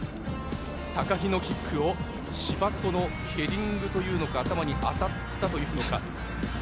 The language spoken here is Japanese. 高木のキックを柴戸のヘディングというか頭に当たったというのか。